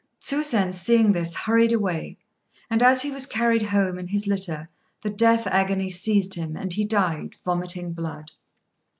Tsusen, seeing this, hurried away, and as he was carried home in his litter the death agony seized him, and he died, vomiting blood.